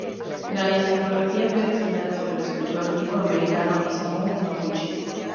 La escenografía fue diseñada por el escultor nipo-americano Isamu Noguchi.